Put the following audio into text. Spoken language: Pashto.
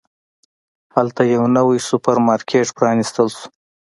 هلته یو نوی سوپرمارکېټ پرانستل شو.